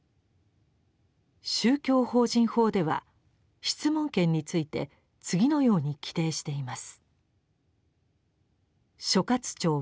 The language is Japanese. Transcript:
「宗教法人法」では質問権について次のように規定しています。